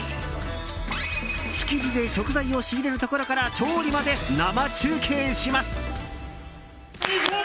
築地で食材を仕入れるところから調理まで、生中継します！